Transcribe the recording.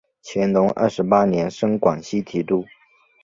乾隆二十八年升广西提督。